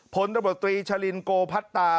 ผลตำรวจตรีชะลินโกพัตตา